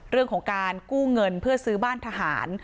เรื่องของการกู้เงินเพื่อซื้อบ้านทหาร